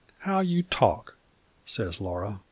how you talk!' says Laura.